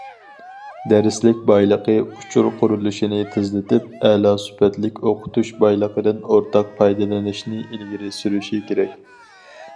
دەرسلىك بايلىقى ئۇچۇر قۇرۇلۇشىنى تېزلىتىپ، ئەلا سۈپەتلىك ئوقۇتۇش بايلىقىدىن ئورتاق پايدىلىنىشنى ئىلگىرى سۈرۈشى كېرەك.